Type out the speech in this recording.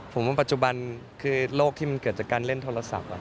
ผมว่าปัจจุบันคือโรคที่มันเกิดจากการเล่นโทรศัพท์